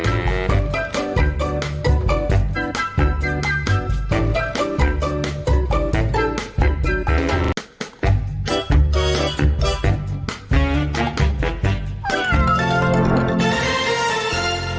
สวัสดีครับสวัสดีครับ